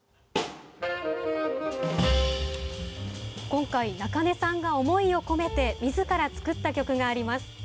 今回、中根さんが思いを込めてみずから作った曲があります。